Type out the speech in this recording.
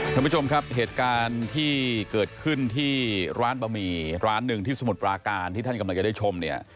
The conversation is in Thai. ท่านผู้ชมครับเหตุการณ์ที่เกิดขึ้นที่ร้านบะหมี่ร้านหนึ่งที่สมุทรปราการที่ท่านกำลังจะได้ชมเนี่ย